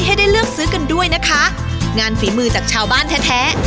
ให้ได้เลือกซื้อกันด้วยนะคะงานฝีมือจากชาวบ้านแท้แท้